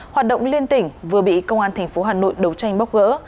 hoạt động liên tỉnh vừa bị công an thành phố hà nội đấu tranh bóc gỡ